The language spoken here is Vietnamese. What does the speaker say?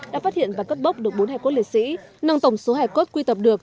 đã phát hiện và cất bốc được bốn hải cốt liệt sĩ nâng tổng số hải cốt quy tập được